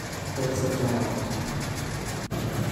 It's a fact.